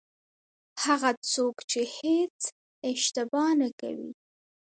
هغه څوک چې هېڅ اشتباه نه کوي.